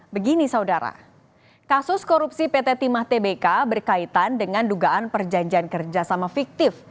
begini saudara kasus korupsi pt timah tbk berkaitan dengan dugaan perjanjian kerjasama fiktif